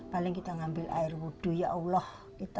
paling kita ngambil air wudhu ya allah